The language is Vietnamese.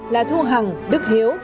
là thu hằng đức hiếu